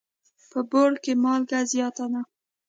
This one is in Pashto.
په بوړ کي مالګه زیاته ده.